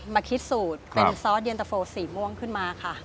มาคิดสูตรเป็นซอสเย็นตะโฟสีม่วงขึ้นมาค่ะ